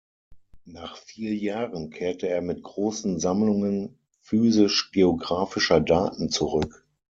Nach vier Jahren kehrte er mit großen Sammlungen physisch-geographischer Daten zurück.